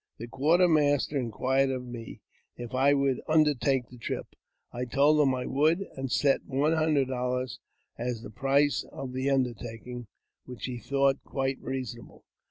The quartermaster inquired of me if I would undertake the trip. I told him I would ; and set one hundred dollars as the price of the undertaking, which he thought quite reasonable.